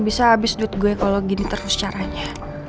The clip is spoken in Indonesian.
bisa bisa abis duit gue kalau gini terus caranya